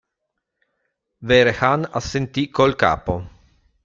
Vehrehan assentì col capo.